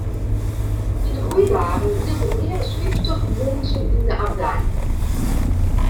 Yn de goede dagen wiene der mear as fyftich muontsen yn de abdij.